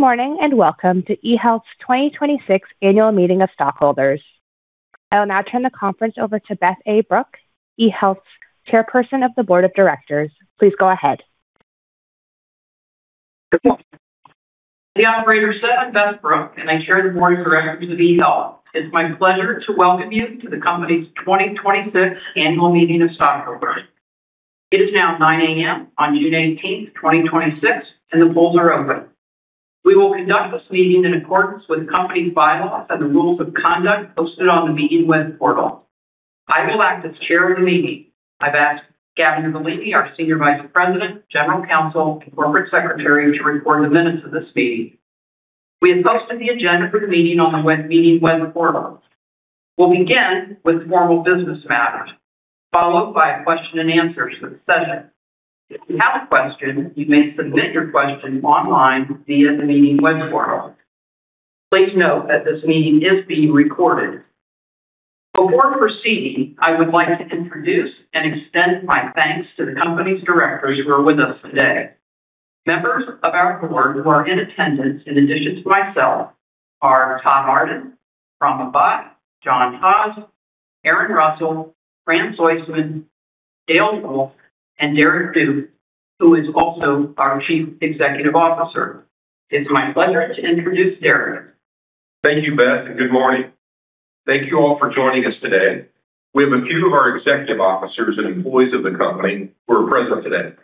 Good morning. Welcome to eHealth's 2026 Annual Meeting of Stockholders. I will now turn the conference over to Beth A. Brooke, eHealth's Chairperson of the Board of Directors. Please go ahead. The operator said I'm Beth Brooke. I chair the Board of Directors of eHealth. It's my pleasure to welcome you to the company's 2026 Annual Meeting of Stockholders. It is now 9:00 A.M. on June 18th, 2026. The polls are open. We will conduct this meeting in accordance with the company's bylaws and the rules of conduct posted on the meeting web portal. I will act as chair of the meeting. I've asked Gavin Galimi, our Senior Vice President, General Counsel, and Corporate Secretary, to record the minutes of this meeting. We have posted the agenda for the meeting on the web meeting web portal. We'll begin with formal business matters, followed by a question-and-answer session. If you have a question, you may submit your question online via the meeting web portal. Please note that this meeting is being recorded. Before proceeding, I would like to introduce and extend my thanks to the company's Directors who are with us today. Members of our Board who are in attendance in addition to myself are Todd Arden, Prama Bhatt, John Hass, Erin Russell, Fran Soistman, Dale Wolf, and Derrick Duke, who is also our Chief Executive Officer. It's my pleasure to introduce Derrick. Thank you, Beth. Good morning. Thank you all for joining us today. We have a few of our executive officers and employees of the company who are present today.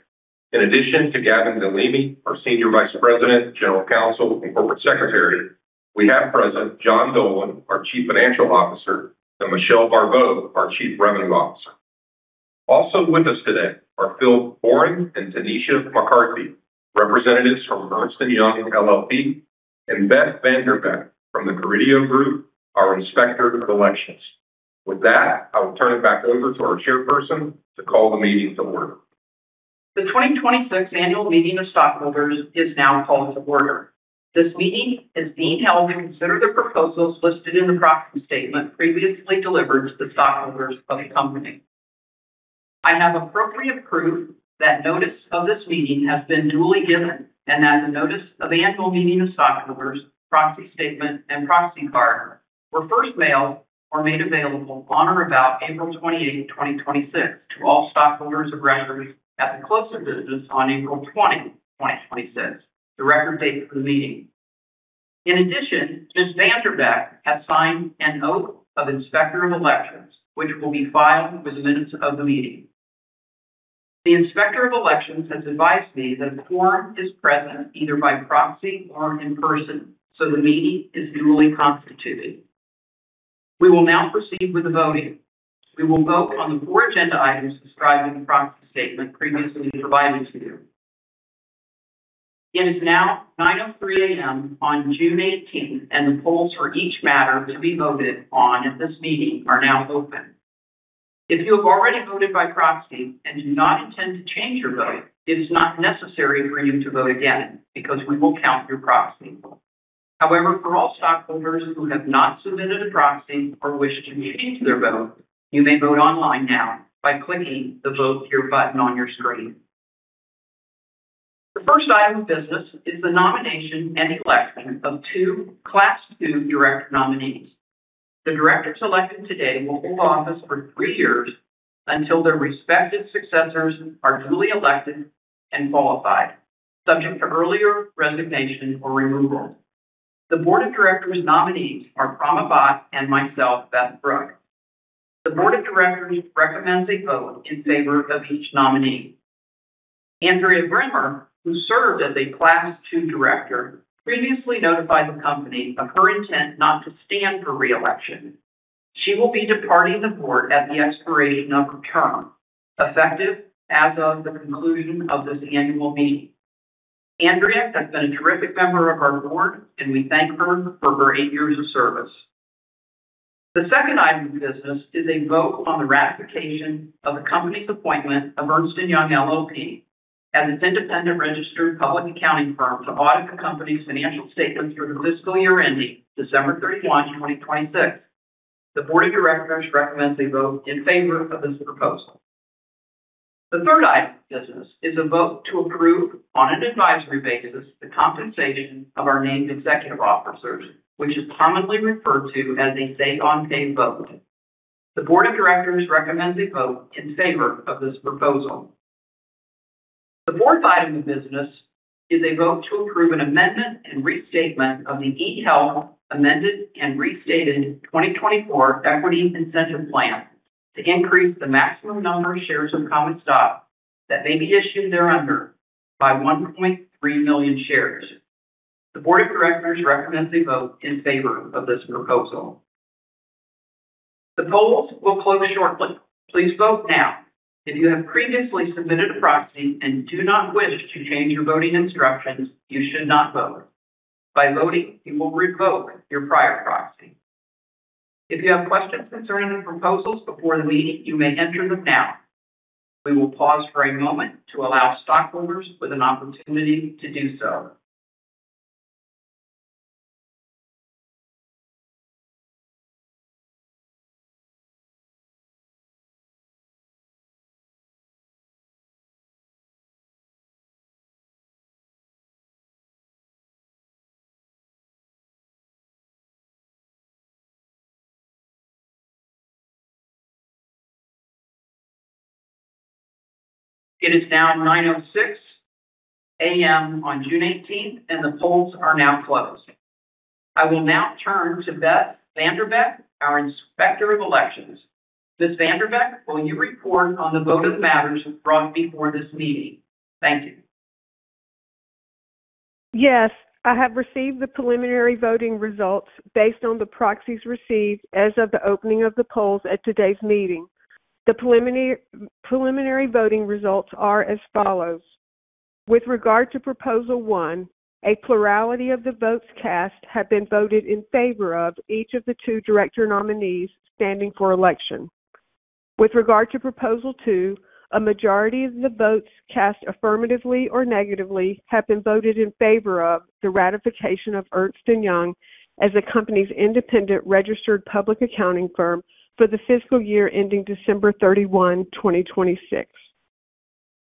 In addition to Gavin Galimi, our Senior Vice President, General Counsel, and Corporate Secretary, we have present John Dolan, our Chief Financial Officer, and Michelle Barbeau, our Chief Revenue Officer. Also with us today are Phil Boren and Tanisha McCarthy, representatives from Ernst & Young LLP, and Beth VanDerbeck from The Carideo Group, our Inspector of Elections. With that, I will turn it back over to our chairperson to call the meeting to order. The 2026 Annual Meeting of Stockholders is now called to order. This meeting is being held to consider the proposals listed in the proxy statement previously delivered to the stockholders of the company. I have appropriate proof that notice of this meeting has been duly given and that the notice of Annual Meeting of Stockholders, proxy statement, and proxy card were first mailed or made available on or about April 28th, 2026, to all stockholders of record at the close of business on April 20, 2026, the record date of the meeting. In addition, Ms. VanDerbeck has signed an oath of Inspector of Elections, which will be filed with the minutes of the meeting. The Inspector of Elections has advised me that a quorum is present either by proxy or in person. The meeting is duly constituted. We will now proceed with the voting. We will vote on the four agenda items described in the proxy statement previously provided to you. It is now 9:03 A.M. on June 18th. The polls for each matter to be voted on at this meeting are now open. If you have already voted by proxy and do not intend to change your vote, it is not necessary for you to vote again because we will count your proxy. However, for all stockholders who have not submitted a proxy or wish to change their vote, you may vote online now by clicking the Vote Here button on your screen. The first item of business is the nomination and election of two Class II director nominees. The directors elected today will hold office for three years until their respective successors are duly elected and qualified, subject to earlier resignation or removal. The Board of Directors' nominees are Prama Bhatt and myself, Beth Brooke. The Board of Directors recommends a vote in favor of each nominee. Andrea Brimmer, who served as a Class II director, previously notified the company of her intent not to stand for re-election. She will be departing the Board at the expiration of her term, effective as of the conclusion of this annual meeting. Andrea has been a terrific member of our Board, and we thank her for her eight years of service. The second item of business is a vote on the ratification of the company's appointment of Ernst & Young LLP as its independent registered public accounting firm to audit the company's financial statements for the fiscal year ending December 31, 2026. The Board of Directors recommends a vote in favor of this proposal. The third item of business is a vote to approve, on an advisory basis, the compensation of our named executive officers, which is commonly referred to as a say-on-pay vote. The Board of Directors recommends a vote in favor of this proposal. The fourth item of business is a vote to approve an amendment and restatement of the eHealth Amended and Restated 2024 Equity Incentive Plan to increase the maximum number of shares of common stock that may be issued thereunder by 1.3 million shares. The Board of Directors recommends a vote in favor of this proposal. The polls will close shortly. Please vote now. If you have previously submitted a proxy and do not wish to change your voting instructions, you should not vote. By voting, you will revoke your prior proxy. If you have questions concerning the proposals before the meeting, you may enter them now. We will pause for a moment to allow stockholders with an opportunity to do so. It is now 9:06 A.M. on June 18th and the polls are now closed. I will now turn to Beth VanDerbeck, our Inspector of Elections. Ms. VanDerbeck, will you report on the vote of the matters brought before this meeting? Thank you. Yes. I have received the preliminary voting results based on the proxies received as of the opening of the polls at today's meeting. The preliminary voting results are as follows. With regard to proposal 1, a plurality of the votes cast have been voted in favor of each of the two director nominees standing for election. With regard to proposal 2, a majority of the votes cast affirmatively or negatively have been voted in favor of the ratification of Ernst & Young as the company's independent registered public accounting firm for the fiscal year ending December 31, 2026.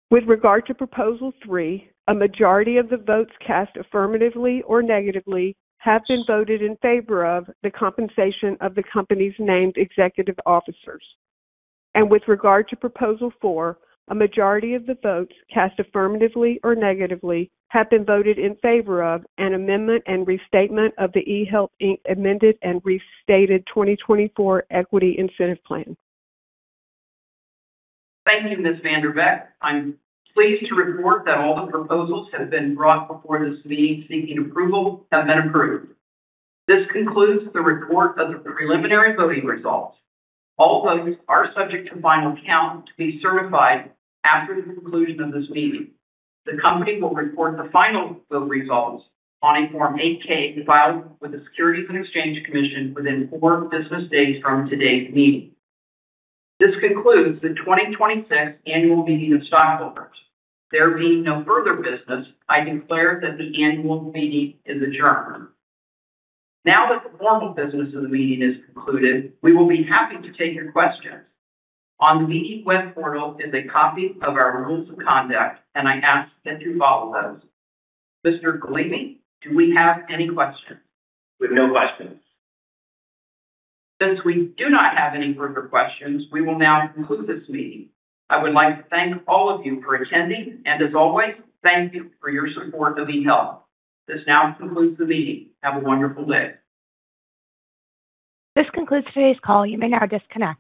With regard to proposal 3, a majority of the votes cast affirmatively or negatively have been voted in favor of the compensation of the company's named executive officers. With regard to proposal 4, a majority of the votes cast affirmatively or negatively have been voted in favor of an amendment and restatement of the eHealth, Inc. Amended and Restated 2024 Equity Incentive Plan. Thank you, Ms. VanDerbeck. I'm pleased to report that all the proposals that have been brought before this meeting seeking approval have been approved. This concludes the report of the preliminary voting results. All votes are subject to final count to be certified after the conclusion of this meeting. The company will report the final vote results on a Form 8-K filed with the Securities and Exchange Commission within four business days from today's meeting. This concludes the 2026 Annual Meeting of Stockholders. There being no further business, I declare that the annual meeting is adjourned. Now that the formal business of the meeting is concluded, we will be happy to take your questions. On the meeting web portal is a copy of our rules of conduct, and I ask that you follow those. Mr. Galimi, do we have any questions? We have no questions. Since we do not have any further questions, we will now conclude this meeting. I would like to thank all of you for attending, and as always, thank you for your support of eHealth. This now concludes the meeting. Have a wonderful day. This concludes today's call. You may now disconnect.